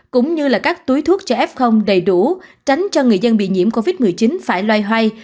cũng như là các túi thuốc cho f đầy đủ tránh cho người dân bị nhiễm covid một mươi chín phải loay hoay